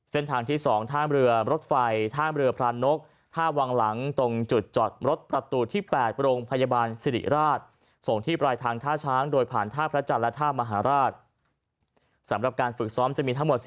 เส้นทางที่๒ท่ามเรือรถไฟท่ามเรือพระนกท่าวางหลังตรงจุดจอดรถประตูที่๘โรงพยาบาลศิริราชส่งที่ปลายทางท่าช้างโดยผ่านท่าพระจันทร์และท่ามหาราช